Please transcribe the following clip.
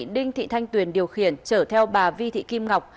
đinh thị thanh tuyền điều khiển chở theo bà vi thị kim ngọc